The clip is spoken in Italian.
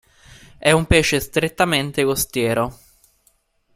È un pesce strettamente costiero.